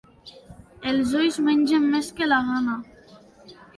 Els ulls mengen més que la gana.